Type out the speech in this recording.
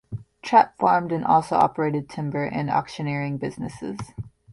Trapp farmed and also operated timber and auctioneering businesses.